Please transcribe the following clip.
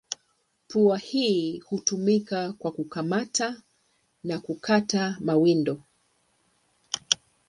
Pua hii hutumika kwa kukamata na kukata mawindo.